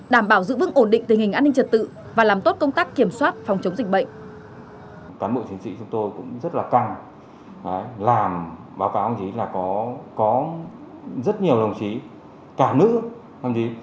đảm bảo giữ vững ổn định tình hình an ninh trật tự và làm tốt công tác kiểm soát phòng chống dịch bệnh